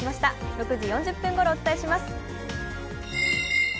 ６時４０分ごろお伝えします。